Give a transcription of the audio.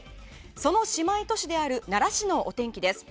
その姉妹都市である奈良市のお天気です。